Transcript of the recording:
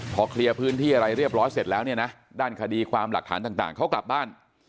พอเคลียร์พื้นที่อะไรเรียบร้อยเสร็จแล้วเนี่ยนะด้านคดีความหลักฐานต่างเขากลับบ้าน